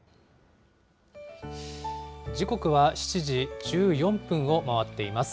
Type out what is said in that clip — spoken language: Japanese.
時刻は７時１４分を回っています。